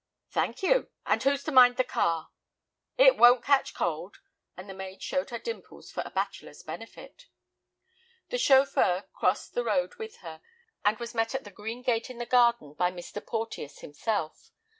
"Thank you. And who's to mind the car?" "It won't catch cold," and the maid showed her dimples for a bachelor's benefit. The chauffeur crossed the road with her, and was met at the green gate in the garden by Mr. Porteus himself.